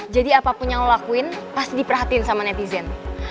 jadi apapun yang lo lakuin pasti diperhatiin sama netizen